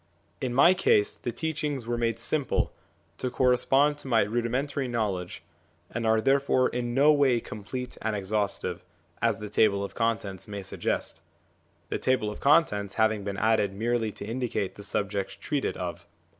In my case the teachings were made simple, to correspond to my rudimentary knowledge, and are therefore in no way complete and exhaustive, as the Table of Contents may suggest the Table of Contents having been added merely to indicate the subjects treated of.